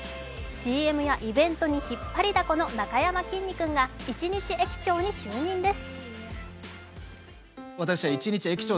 ＣＭやイベントに引っ張りだこのなかやまきんに君が一日駅長に就任です。